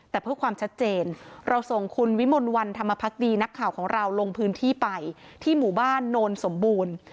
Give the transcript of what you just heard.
แต่เพื่อความชัดเจนเราส่งคุณวิมลวันธรรมพักดีนักข่าวของเราลงพื้นที่ไปที่หมู่บ้านโนนสมบูรณ์